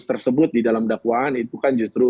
tersebut di dalam dakwaan itu kan justru